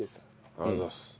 ありがとうございます。